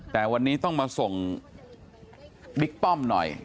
แต่วันนี้ต้องมาส่งบิ๊กป้อมหน่อย